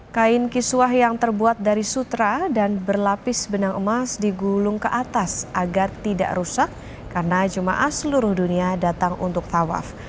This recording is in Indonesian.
kain kiswah yang terbuat dari sutra dan berlapis benang emas digulung ke atas agar tidak rusak karena jemaah seluruh dunia datang untuk tawaf